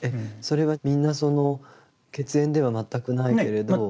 それはみんなその血縁では全くないけれど？